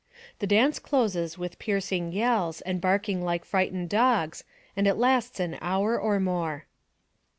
The dance closes with piercing yells, and barking like frightened dogs, and it lasts an hour or more.